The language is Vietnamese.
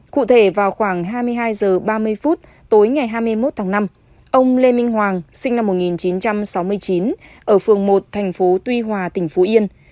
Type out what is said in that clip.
cụ thể vào khoảng hai mươi hai h ba mươi phút tối ngày hai mươi một tháng năm ông lê minh hoàng sinh năm một nghìn chín trăm sáu mươi chín ở phường một thành phố tuy hòa tỉnh phú yên